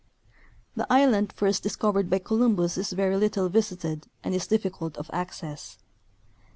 The island first discovered by Columbus is very little visited and is difficult of access.